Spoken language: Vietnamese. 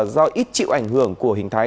do ít chịu ảnh hưởng của hình thái